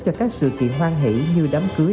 cho các sự kiện hoan hỷ như đám cưới